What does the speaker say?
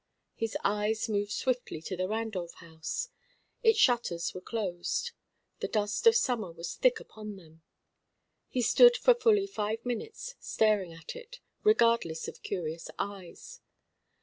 His eyes moved swiftly to the Randolph house. Its shutters were closed. The dust of summer was thick upon them. He stood for fully five minutes staring at it, regardless of curious eyes.